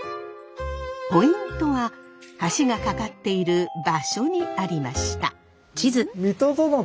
ポイントは橋がかかっている場所にありました。